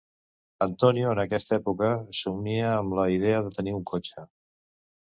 Antonio, en aquesta època, somnia amb la idea de tenir un cotxe.